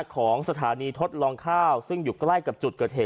ของสถานีทดลองข้าวซึ่งอยู่ใกล้กับจุดเกิดเหตุ